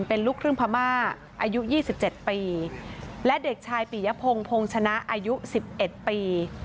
เป็นลูกครึ่งพม่าอายุยี่สิบเจ็ดปีและเด็กชายปี่ยะพงพงชนะอายุสิบเอ็ดปี